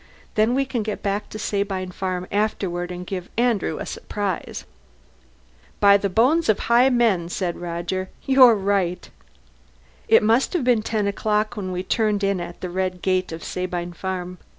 Then we can get back to Sabine Farm afterward, and give Andrew a surprise." "By the bones of Hymen!" said Roger. "You're right!" It must have been ten o'clock when we turned in at the red gate of Sabine Farm.